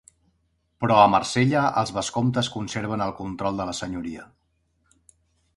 Però a Marsella els vescomtes conserven el control de la senyoria.